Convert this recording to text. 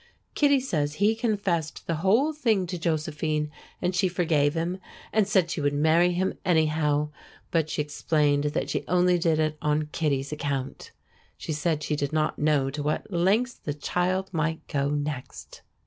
Kittie says he confessed the whole thing to Josephine, and she forgave him, and said she would marry him anyhow; but she explained that she only did it on Kittie's account. She said she did not know to what lengths the child might go next.